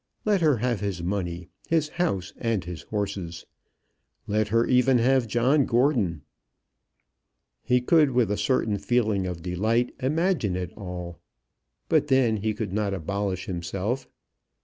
Let her have his money, his house, and his horses. Let her even have John Gordon. He could with a certain feeling of delight imagine it all. But then he could not abolish himself.